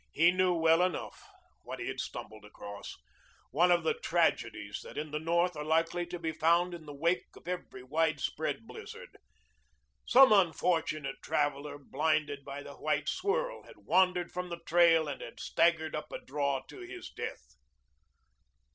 He knew well enough what he had stumbled across one of the tragedies that in the North are likely to be found in the wake of every widespread blizzard. Some unfortunate traveler, blinded by the white swirl, had wandered from the trail and had staggered up a draw to his death.